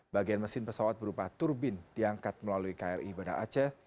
bagian mesin pesawat berupa turbin diangkat melalui kri bandar aceh